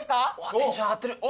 テンション上がってる。